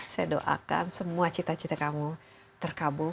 saya doakan semua cita cita kamu terkabul